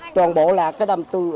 toàn bộ là các